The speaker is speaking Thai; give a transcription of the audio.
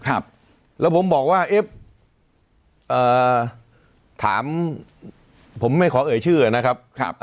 ครับแล้วผมบอกว่าเอ๊ะถามผมไม่ขอเอ่ยชื่อนะครับ